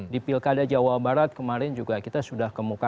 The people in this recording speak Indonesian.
di pilkada jawa barat kemarin juga kita sudah kemukakan